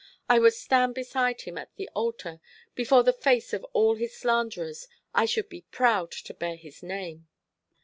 "I would stand beside him at the altar, before the face of all his slanderers. I should be proud to bear his name."